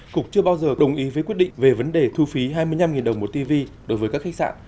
cục chưa bao giờ đồng ý với quyết định về vấn đề thu phí hai mươi năm đồng một tv đối với các khách sạn